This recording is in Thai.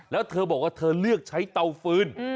แล้วเธอบอกว่าเธอเลือกใช้เตาฟืน